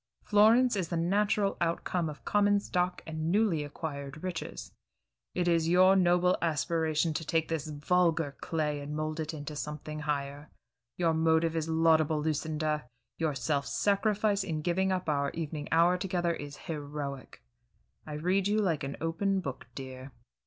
Florence is the natural outcome of common stock and newly acquired riches. It is your noble aspiration to take this vulgar clay and mold it into something higher. Your motive is laudable, Lucinda; your self sacrifice in giving up our evening hour together is heroic. I read you like an open book, dear."